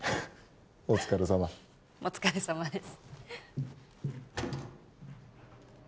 お疲れさまお疲れさまです